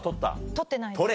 撮ってないです。